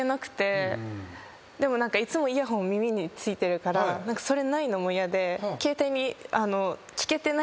でもいつもイヤホン耳についてるからそれないのも嫌で携帯に。